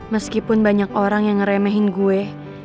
meskipun banyak orang yang ngeremehin gue